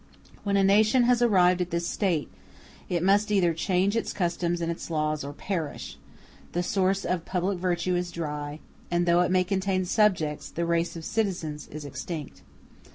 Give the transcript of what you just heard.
When a nation has arrived at this state it must either change its customs and its laws or perish: the source of public virtue is dry, and, though it may contain subjects, the race of citizens is extinct.